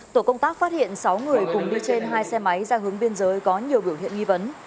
tổ công tác phát hiện sáu người cùng đi trên hai xe máy ra hướng biên giới có nhiều biểu hiện nghi vấn